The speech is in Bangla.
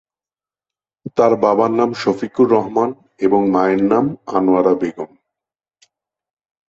তার বাবার নাম শফিকুর রহমান এবং মায়ের নাম আনোয়ারা বেগম।